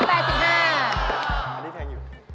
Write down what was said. อันนี้แทงอยู่